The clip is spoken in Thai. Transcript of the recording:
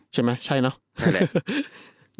ใช่มั้ยใช่เนาะ